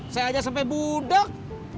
saya aja sampe budek